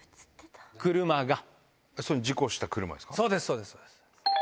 そうですそうです。